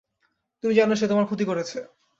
তুমি জানো সে তোমার ক্ষতি করেছে।